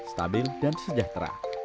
stabil dan sejahtera